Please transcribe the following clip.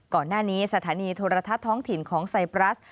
ก่อนหน้านี้สถานีโทรทัศน์ท้องถิ่นของไซปรัส